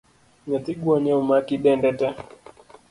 Nyathi gwonyo omaki dende tee